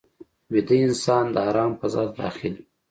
ویده انسان د آرام فضا ته داخل وي